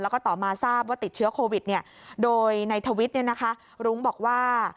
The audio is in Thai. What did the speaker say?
แล้วก็ต่อมาทราบว่าติดเชื้อโควิดเนี่ยโดยในทวิตเนี่ยนะคะรุ้งบอกว่า